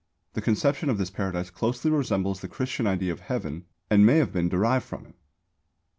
The conception of this Paradise closely resembles the Christian idea of Heaven and may have been derived from it.